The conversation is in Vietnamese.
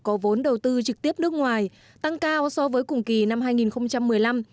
có vốn đầu tư trực tiếp nước ngoài tăng cao so với cùng kỳ năm hai nghìn một mươi năm